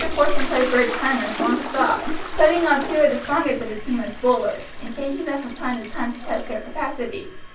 Porson played for a time as long stop, putting on two of the strongest of his team as bowlers, and changing them from time to time to test their capacity.